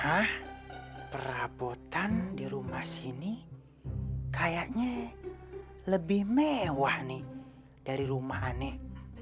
ah perabotan di rumah sini kayaknya lebih mewah nih dari rumah aneh